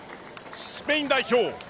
スペイン代表。